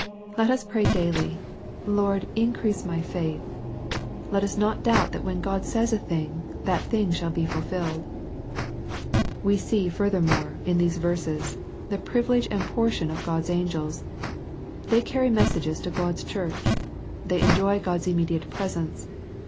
Let us pray daily, "Lord increase my faith." Let us not doubt that when God says a thing, that thing shall be fulfilled. We see furthermore, in these verses, the privilege and portion of GocTs angda. They carry messages to God's Church. They enjoy God's immediate presence.